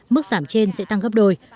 mức giảm trên sẽ tăng gấp đôi